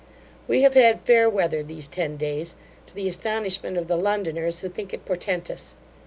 We have had fair weather these ten days, to the astonishment of the Londoners, who think it portentous.